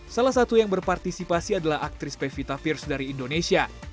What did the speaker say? salah satu yang berpartisipasi adalah aktris pevita fiers dari indonesia